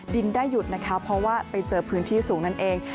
ดินได้หยุดนะคะเพราะว่าไปเจอพื้นที่สูงนั่นเอง